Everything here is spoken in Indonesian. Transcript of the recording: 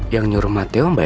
yang nyuruh matteo mba elsa